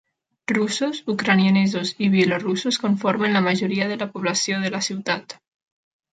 Russos, ucraïnesos i bielorussos conformen la majoria de la població de la ciutat.